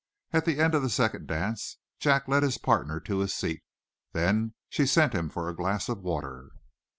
At the end of the second dance Jack led his partner to a seat. Then she sent him for a glass of water.